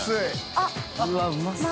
うわうまそう。